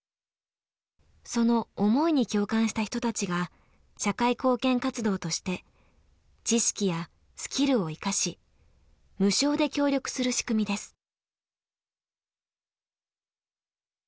その思いに共感した人たちが社会貢献活動として知識やスキルを生かし無償で協力する仕組みです。